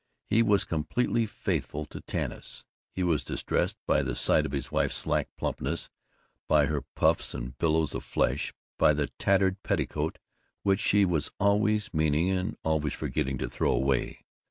He was completely faithful to Tanis. He was distressed by the sight of his wife's slack plumpness, by her puffs and billows of flesh, by the tattered petticoat which she was always meaning and always forgetting to throw away.